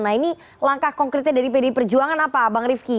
nah ini langkah konkretnya dari pdi perjuangan apa bang rifki